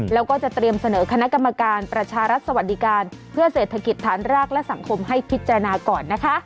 แล้วก็จะเตรียมเสนอคณะกรรมการประชารัฐสวัสดิการเพื่อเศรษฐกิจฐานรากและสังคมให้พิจารณาก่อนนะคะ